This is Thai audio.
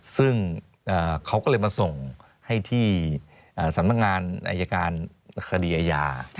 ซึ่งเขาก็เลยมาส่งให้ที่สำนักงานอายการคดีอาญา